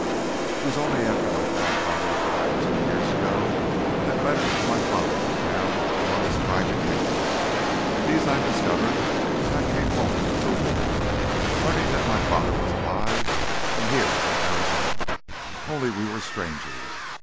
"It was only after my grandfather died, two years ago, that letters from my father were found among his private papers. These I discovered when I came home from the war, learning that my father was alive and here in Arizona. Only we were strangers